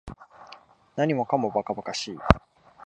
何もかも馬鹿馬鹿しい